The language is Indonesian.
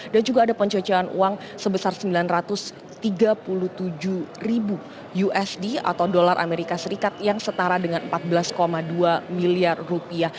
dan juga ada pencucian uang sebesar sembilan ratus tiga puluh tujuh ribu usd atau dolar amerika serikat yang setara dengan empat belas dua miliar rupiah